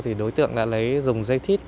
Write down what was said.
thì đối tượng đã lấy dùng dây thít